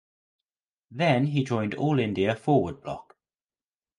Then he joined All India Forward Bloc.